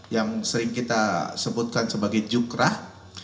yang sering kita sebutkan sebagai jukrah